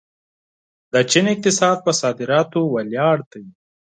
د چین اقتصاد په صادراتو ولاړ دی.